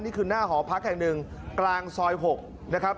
นี่คือหน้าหอพักแห่งหนึ่งกลางซอย๖นะครับ